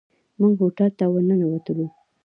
موږ هوټل ته ورننوتلو.